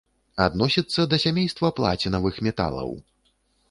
Адносіцца да сямейства плацінавых металаў.